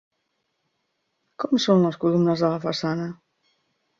Com són les columnes de la façana?